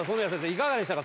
いかがでしたか？